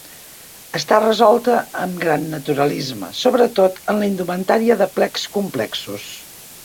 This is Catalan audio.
Està resolta amb gran naturalisme, sobretot en la indumentària de plecs complexos.